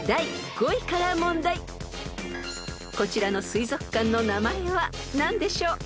［こちらの水族館の名前は何でしょう？］